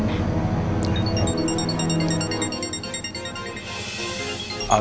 saya juga berharap